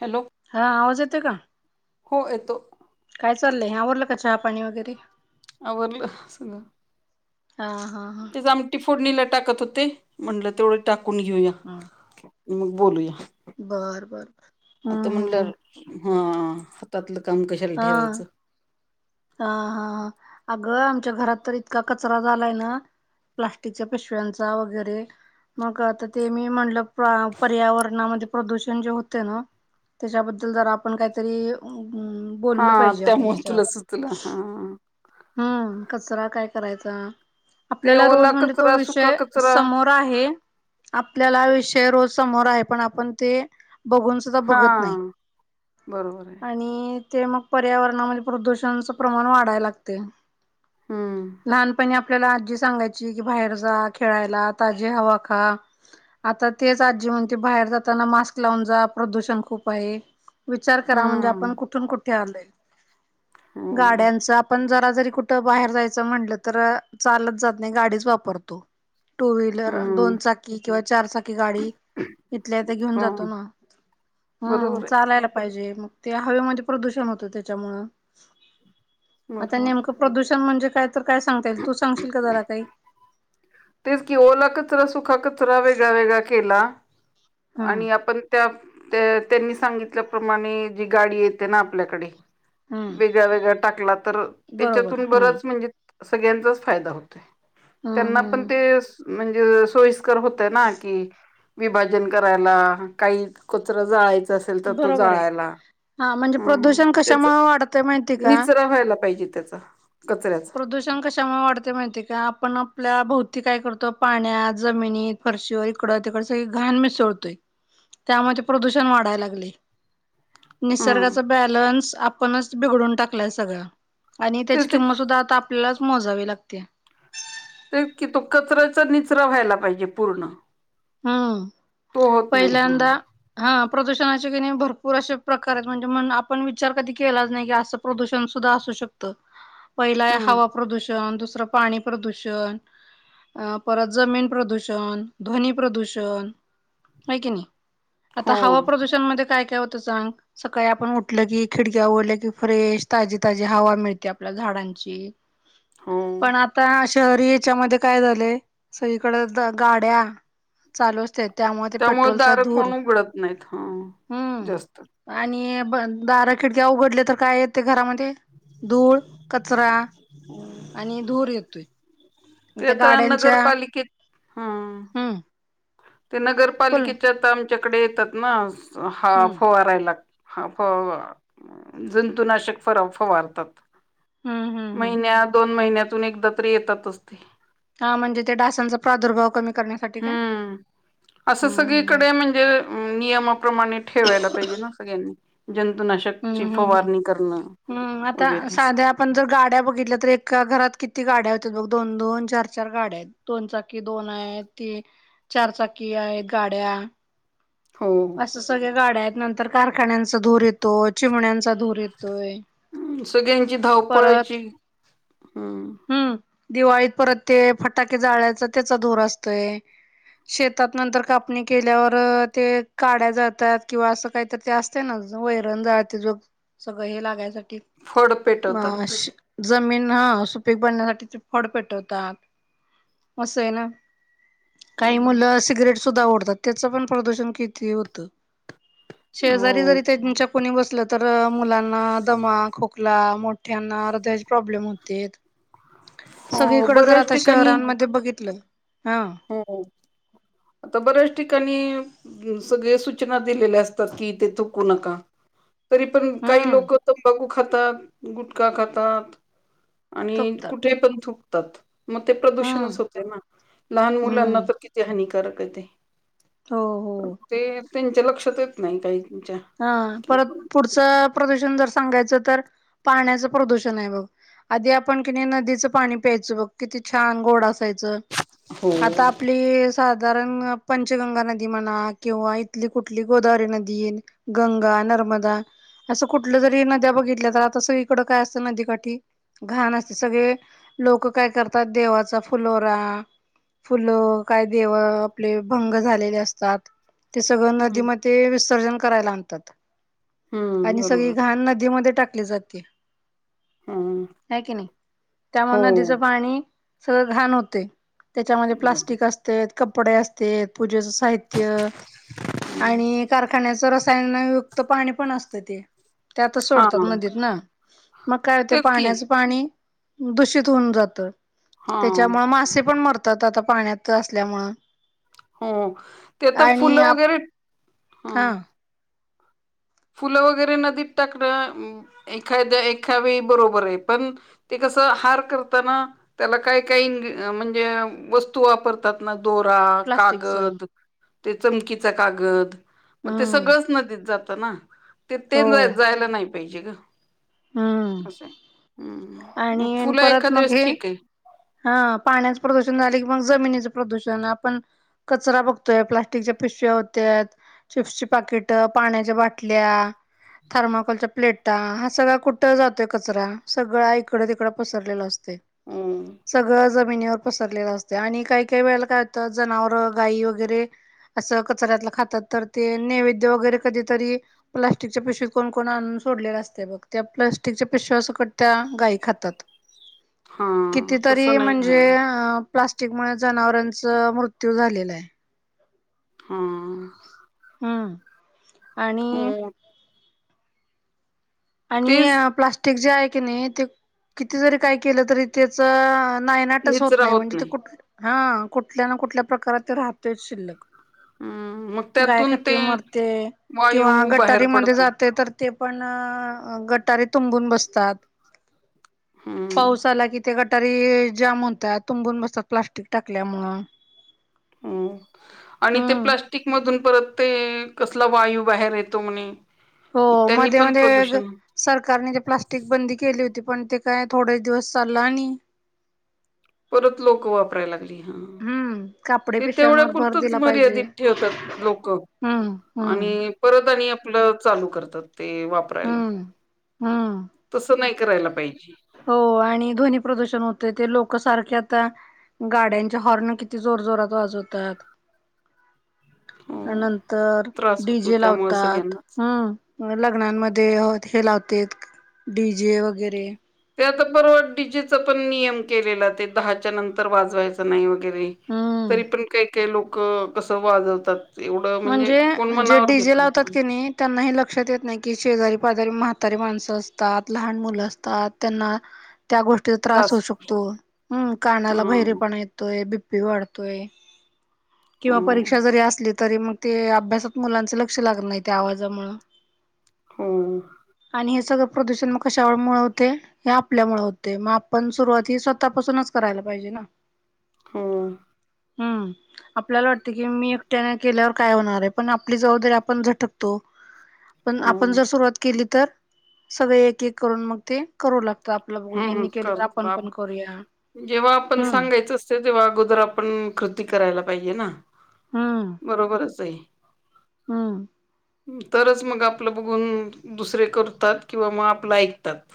Hello हा आवाज येतोय का? हो येतो. काय चाललंय बरलं का चहा पाणी वगैरे? आवरलं सगळं. हा हा तेच आमटि फोडणीला टाकत होते म्हणलं तेवढं टाकून घेऊया. हा मग बोलूया. बर बर आता हम्म हम्. म्हणलं हा हातातलं काम कशाला ठेवायचं. हा हा अगं आमच्या घरात तर इतका कचरा झालाय ना. प्लास्टिकच्या पिशव्यांचा वगैरे मग आता ते मी म्हणलं? पर्यावरणामध्ये प्रदूषण जे होते ना त्याच्याबद्दल जर आपण काहीतरी हा बोललं पाहिजे आपण त्यामुळे तुला त्याच्यावर सुचलं हा. हम्म कचरा काय करायचा? ते आपल्याला रोज ओला म्हणजे तो कचरा सुका विषय कचरा समोर आहे आपल्याला विषय रोज समोर आहे पण आपण ते बघून सुद्धा हा बघत नाही बरोबर आहे आणि ते मग पर्यावरणामध्ये प्रदूषणाच प्रमाण वाढाय लागते हम्म लहानपणी आपण आपल्याला आजी सांगायची की बाहेर जा खेळायला ताजी हवा खा आता तेच आजी म्हणते बाहेर जाताना मास्क लावून जा प्रदूषण खूप आहे. विचार करा म्हणजे हम्म आपण कुठून कुठे आलोय हम्म गाड्यांचा जरा जरी कुठ बाहेर जायचं म्हटलं तर चालत जात नाही गाडीच वापरतो. टू व्हीलर हम्म दोन चाकी किंवा चारचाकी गाडी इथल्या ते घेऊन हो जातो ना हम्म बरोबर आहे चालायला पाहिजे मग ते हवेमध्ये प्रदूषण होतं त्याच्यामु आता बरोबर आहे नेमकं प्रदूषण म्हणजे काय तर काय सांगता येईल तू सांगशील का जरा काही? तेच की ओला कचरा सुखा कचरा वेगळा वेगळा केला. हम्म आणि आपण त्या त्या त्यांनी सांगितल्याप्रमाणे जी गाडी येते ना आपल्याकडे हम्म वेगळ वेगळा टाकला तर बरोबर त्याच्यातून हम्म बरच म्हणजे सगळ्यांचाच फायदा होतोय हम्म त्यांना पण ते हम्म म्हणजे सोयी होतय ना की विभाजन करायला काही कचरा जाळायचं असेल तर तो बरोबर आहे जाळायला हा म्हणजे हं प्रदूषण हं त्याच कशामुळे वाढतय माहिती का निचरा व्हायला पाहिजे त्याचा. कचऱ्याचा प्रदूषण कशामुळे वाढते माहिती का आपण आपल्या भोवती काय करतो? तो पाण्यात जमिनीत फरशीवर इकड तिकड सगळी घाण मिसळतोय. त्यामध्ये प्रदूषण वाढायला लागले. हम्म निसर्गाचा बॅलन्स आपणच बिघडून टाकलाय सगळं आणि त्याची तेच ते किंमत त आपल्यालाच मोजावे लागत्या तेच की तो कचऱ्याचा निचरा व्हायला पाहिजे पूर्ण हम्म तो होत नाही हा पहिल्यांदा हा प्रदूषणाचे क नई भरपूर असे प्रकार आहेत म्हणजे म आपण विचार कधी केलाच नाही की असं प्रदूषण सुद्धा अस सू शकतं पहिला हम्म हवा प्रदूषण दुस रं पाणी प्रदुषण परत जमीन प्रदुषण ध्वनि प्र प्रदूषण आहे की नाही आता हो हवा प्रदूषण मध्ये काय येतं होत सांग सकाळी आपण उठल की खिडक्या उघडल्या की फ्रेश ताजी ताजी हवा मिळते आपल्याला झाड डांची हो पण आता शहरी याच्यामध्ये काय झालंय सगळीकडे गाड्या चालू असत्यात. त्यामुळे ते पेट्रोलचा दार धूर कोण उघडत नाहीत हा जास्त हम् आणि दारं खिडक्या उघडले तर काय येते घरामध्ये धूळ कचरा आणि धूर येतोय ते त्या आता गाड्यांच्या नगरपालिकेत हा हम्म ते बोल नगरपालिकेच्या तर आमच्याकडे येतात ना हा हम्म फवारायला हा फ जंतुनाशक फर फवारतात हम्म हम्म हम्म. महिन्या दोन महिन्यातून एकदा तरी येतात असते हा म्हणजे ते डासांचा प्रादुर्भाव कमी करण्यासाठी काय हम्म असं हम्म सगळीकडे म्हणजे नियमाप्रमाणे ठेवायला पाहिजे ना सगळ्यांनी. शक हम्म हम्म चिफ हम्म हम्म वारिंग करणार. हम्म आता साध्या आपण जर गाड्या बघितल्या तर एका घरात किती गाड्या दोन दोन चार चार गाड्या आहेत दोन चाकी दोन आहेत ती चार चाकी आहेत गा. पाड्या हो असं सगळ गाड्या आहेत नंतर कारखान्यांचा धूर येतोय चिमण्यांचा धूर येतोय. सगळ्यांची परत धावपळायची हम्म. हम्म दिवाळीत परत ते फटाके जाळचा त्याचा धोर असतोय. शेतात नंतर कापणी केल्यावर ते काड्या जातात किंवा असं काहीत ते असते ना वैरण जे ज सगळं हे लागयसाठी फड पेटवतात मश जमीन हा सुपीक बनण्यासाठी फड पेटवतात असं आहे ना. काही हम्म मुलं सिगरेट सुद्धा ओढतात त्याच पण प्रदूषण किती होतं. हो शेजारी जरीच्या कोणी बसलं तर मुलांना दमा खोकला मोठ्यांना हर्दयाचे प्रॉब्लेम होते. हो सगळीकड जर बऱ्याच आता ठिकाणी शहरांमध्ये बघितलं. हा हो आता बर्याच ठिकाणी सगळे सूचना दिलेल्या असतात कि ते थुकू नका. तरी पण काही हम्म लोक तंबाखू खातात गुटखा खातात. आणि थुकतात कुठे पण थुकतात मग ते प्रदूषणच हम्म होते ना. लहान मुलांना हम्म तर किती हानिकारक आहे ते हो हो. पण ते त्यांच्या लक्षात येत नाही काही हा परत पुढचं प्रदूषण जर सांगायचं तर पाण्याचं प्रदूषण आहे बघ. आधी आपण कि नदीचं पाणी प्यायच बघ किती छान गोड असत. हो आ आप साधारण पंचगंगा नदी म्हणा किंवा इथली कुठली गोदावरी नदी गंगा, नर्मदा असं कुठलं जरी नद्या बघितल्या तर आता स इकडं काय असतं नदीकाठी घाण असते सगळे लोक काय करतात देवाचा फुलोरा फुल काय देव आपले भंग झालेले असतात. ते सगळं हम्म नदीमध्ये विसर्जन करायला आणतात. हम्म आणि सगळी बरोबर घाण नदीमध्ये टाकली जाते. हम्म आहे की नाही त्यामुळे हो नदीचं पाणी सगळं घाण होते. त्याच्यामध्ये प्लास्टिक असते कपडे असते पूजेच स साहित्य आणि कारखान्याचं रसायनयुक्त पाणी पण असतं ते. त्या आता हा सोडतात मधत ना मग काय होते तेच की पाण्याचं पाणी दूषित होऊन जात हा त्याच्यामुळे मासे पण मर आता पाण्यात असल्यामुळ हं ते तर फुलं वगैरे ह हा फुलं वगैरे नदीत टाकणं एखाद्या एखा वेळी बरोबर आहे पण ते घाण हार करत्या ना त्याला काही काही वस्तू वापरतात ना दोरा प्लास्टिकच कागद ते चमकीच कागद मग ते हम्म सगळंच नदीत जात ना. ते हो जायला नाही पाहिजे ग. हम्म असं मग आणि फुलं एखाद्या वेळेस ठीक आहे. ह पाण्याचं प्रदूषण झाले की मग जमिनीचं प्रदूषण आपण कचरा बघतोय प्लास्टिकच्या पिशव्या होत्या चिप्सची पाकिट पाण्याच्या बाटल्या थर्माकोल च्या प्लेट का हा सगळा कुठे जातोय कचरा सगळा इकडे तिकडे पसरलेला असतेय. हम्म. सगळं जमिनीवर पसरलेलं असते आणि काही काही वेळेला काय होतं जनावरं गाई वगैरे असं कचऱ्यातलं खातात तर ते नैवेद्य वगैरे कधीतरी प्लास्टिकच्या पिशवी कोण कोण आण सोडलेला असते बघ त्या प्लास्टिकच्याया पिशव्या सगट गाई खात्यांत. हा. तसं कितीतरी नाही का म्हणजे प्लास्टिक मुळे जनावरांचा मृत्यू झालेला आहे. हा. हम्म आणि हो आणि तेच प्लास्टिक जे आहे की नाही ते किती जरी काय केलं तरी त्याच नायनाटचं होत नाही म्हणजे ते कुठ हा कुठल्या ना कुठल्या प्रकारात ते राहतोयच शिल्लक हम्म मग गाय त्यातून ते खाती मरते वायू किंवा बाहेर गटारी मध्ये पडतो जाते तर ते पण गटारी तुंबून बसतात. हम्म पावसाला कि ते ग तरी जाम होता तुंबून बसतात प्लास्टिक टाकल्या मुळ आणि ते प्लास्टिक मधून परत ते कसला वायू बाहेर येतो म्हणे हो त्यांनी मध्ये पण मध्ये प्रदूषण सरकारने ते प्लास्टिक बंदी केली होती पण ते काय थोडेच दिवस चालल आणि परत लोक वापरायला लागली. ह हम्म कापडे ते तेवढ्या पिशव्यांवर भर पुुरतंच दिला पाहिजे मर्यादित ठेवतात लोक हम्म हम्म आणि परत आणि आपलं चालू करतात ते वापरायला. हम्म हम्म. तसं नाही करायला पाहिजे. हो आणि ध्वनी प्रदूषण होते ते लोक सारख्या आता गाड्यांचे हॉर्न किती जोर जोरात वाजवतात. हो त्या नंतर त्रास डी होतो जे त्यामुळे लावतात सगळ्यांनाच हम्म लग्नांमध्ये हो लावते डी जे वगैरे ते आता बरोबर डीजेचा पण नियम केलेला ते दहाच्या नंतर वाजवायच नाही वगैर हम्म तरी पण काही काही लोक कस वाजवतात. एवढं म्हणजे कोण जे मनावर घेत डीझे लावतात क नाही त्यांना लक्षात येत नाही शेजारी दारी म्हातारी माणसं असतात लहान मुलं असतात त्यांना. त्या गोष्टीचा त्रास होऊ शकतो. हम् कानाला हम्म बहिरेपणा येतोय, बी बीपी वाढतोय किंवा हम्म परीक्षा जरी असली, तरी म ते अभ्यासात मुलांच लक्ष लागत नाइ त्या आवाजामुळं हम्म, हे सगळं प्रदूषण मग कशामुळ होते. हे आपल्यामुळे होते मग आपण सुरुवाती स्वतःपासूनच करा त्याला पाहिजे ना, हां, हम्म आपल्याला वाटते की मी एकट्याने केल्यावर काय होणार ये पण, आपली जबाबदारी आपण झटकतो पण आपण हम्म जर सुरुवात केली. तर सगळे एक एक करून मग ते, करू लाग आपलं बघून हम्म हेनी केले तर, करतो आपण आप. पण करूया जेव्हा आपण हम्म सांगायचं असते. तेव्हा अगोदर आपण, ति करायला पाहिजे ना, बरोबरच आहे. हम्, तरच मग आपलं बघून दुसरे, करतात किंवा मग आपलं ऐकतात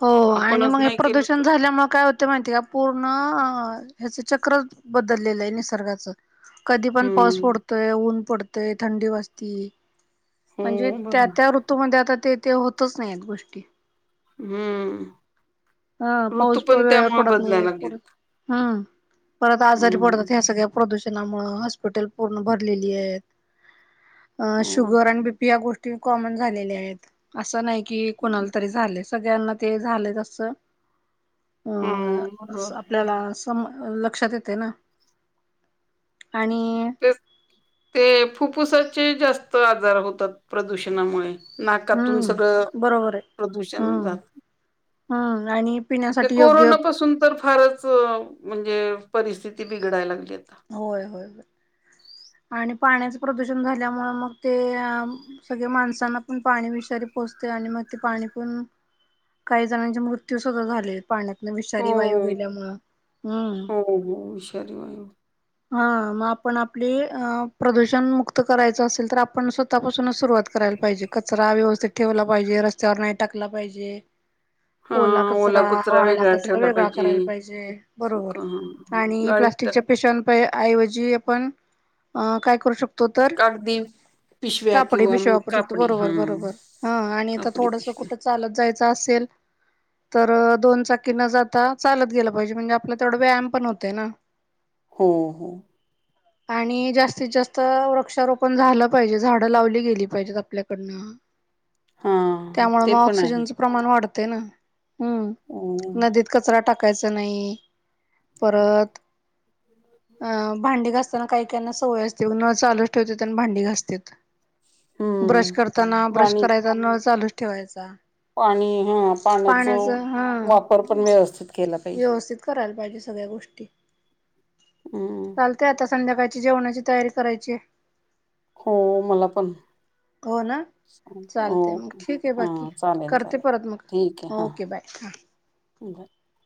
हो, आणि आपणच मग हे नाही केलं प्रदूषण तर झाल्यामुळे काय होतंय माहिती का पूर्ण, ह्याच चक्र बदलेलं ये, निसर्गाच कधी पण पाऊस हम्म पडतोय ऊन पडत थंडी वाजती हो म्हणजे त्या बरोबर त्या ऋतूमध्ये आता ते, ते होतच नाही ये गोष्टी, ह हम्म ऋतू पाऊस पण वेळेवर त्यामुळे पडत नाही बदलायला परत लागलेत. हम्म परत आजारी हम्म पडतात ह्या सगळ्या, प्रदूषणामुळे हॉस्पिटल पूर्ण भरलेली हायत. अ हम्म शुगर आणि बीपी या गो कॉमन झालेले आहेत. असं नाही की कुणाला तरी झाले सगळ्यांना ते झालं असं, हम्म बर, त्यामुळं लक्षात येते ना, आणि ते ते फुफ्फुसाचे जास्त आजार होतात प्रदूषणामुळे नाकातून सगळं हम्म बरोबर आहे. प्रदूषण हम्म जातं. हम्म आणि, ते पिण्यासाठी योग्य कोरोनापासून तर फारच, म्हणजे परिस्थिती बिघडाय लागली. आता. होय होय, आणि पाण्याचं प्रदूषण झाल्यामुळे, मग ते सगळे माणसांना पण पाणी विषारी पोहोचते. घान मग ते पाणी पिऊन, काही जणांचे मृत्यू सुद्धा झालेत. पाण्यातन विषारी वायू हो, गेल्यामुळं हम्म. हो, हो विषारी वायू. हा मग आपण आपली, प्रदूषण मुक्त करायचं असेल तर आपण स्वतःपासूनच सुरुवात करायला पाहिजे. कचरा व्यवस्थित ठेवला पाहिजे, रस्त्यावर नाही टाकला पाहिजे. ओला हां, कचरा, वाळा वेगळा कचरा ठेवला वेगळा पाहिजे. करायला पाहिजे. बरोबर सुका हां. आणि प्लास्टि गाडीत [unintelligible] ऐवजी आपण काय करू शकतो. तर कागदी. पिशव्या कापडी किंवा पिशव्या मग वापरू शकतो. कापडी बरोबर हां. बरोबर हा आणि आता कापडी थोडस पिशवी. कुठं चालत जायचं, चा असेल, तर दोन चाकी न जाता चालत गेलं पाहिजे. म्हणजे आपला तेवढा व्यायाम पण होते ना, हो हो, आणि जास्तीत जास्त वृक्षारोपण झालं, पाहिजे झाडं लावली गेली पाहिजेत आपल्याकडनं हां, त्यामुळे ते मग पण आहे. ऑक्सिजनचं प्रमाण वाढ तेना हम्म, हो. नदीत कचरा टाक कायच नाइ परत अं भांडी घास काही काहीना सवय असते नळ चालूच ठेवत्यात, आणि भांडी घासत्यात. ब्रश हं. करताना, ब्रश पाणी करायचा नळ चालूच ठेवायचा. पाणी हां, पाण्याचं पाण्याचा हा वापर पण व्यवस्थित केला पाहिजे. व्यवस्थित करायला पाहिजे सगळ्या गोष्टी हम् चालते आता संध्याकाळची जेवणाची तयारी करायचीय हो मला पण हो, ना चालते मग, ओके ठीक आहे. बाकी हां चालेल करते चालेल परत. मग ठीक आहे हां ओके, बाय हां! [inaudible]